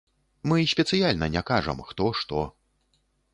Мы спецыяльна не кажам, хто што.